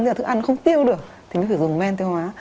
nhưng mà thức ăn không tiêu được thì mình phải dùng men tiêu hóa